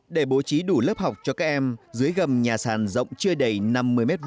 để bố trí đủ lớp học cho các em dưới gầm nhà sàn rộng chưa đầy năm mươi m hai